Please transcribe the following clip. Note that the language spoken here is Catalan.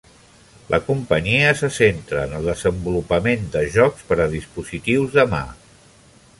La companyia se centra en el desenvolupament de jocs per a dispositius de mà.